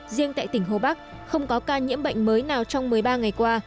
riêng tại tỉnh hồ bắc không có ca nhiễm bệnh mới nào trong một mươi ba ngày qua